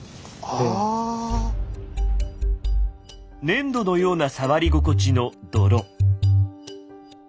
粘土のような触り心地の泥。